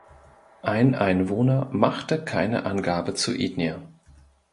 Ein Einwohner machte keine Angabe zur Ethnie.